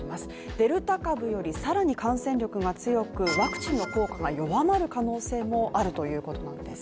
デルタ株よりさらに感染力が強く、ワクチンの効果が弱まる可能性もあるということなんです。